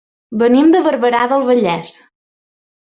Venim de Barberà del Vallès.